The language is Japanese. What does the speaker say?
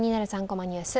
３コマニュース」